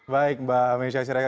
baik mbak meksya